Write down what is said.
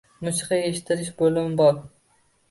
Musiqa eshittirish bo‘limi bor.